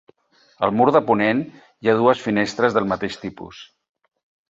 Al mur de ponent, hi ha dues finestres del mateix tipus.